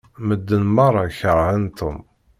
Medden meṛṛa keṛhen Tom.